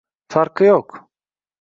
Farqi yo’q